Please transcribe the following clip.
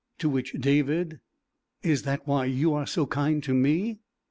To which David: "Is that why you are so kind to me?"